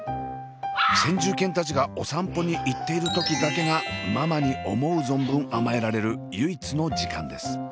先住犬たちがお散歩に行っている時だけがママに思う存分甘えられる唯一の時間です。